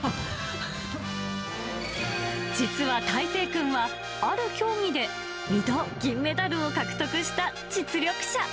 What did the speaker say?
実はたいせい君は、ある競技で２度、銀メダルを獲得した実力者。